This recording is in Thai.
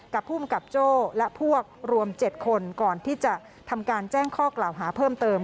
ภูมิกับโจ้และพวกรวม๗คนก่อนที่จะทำการแจ้งข้อกล่าวหาเพิ่มเติม